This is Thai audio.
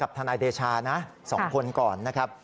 ทนายเดชานะ๒คนก่อนนะครับ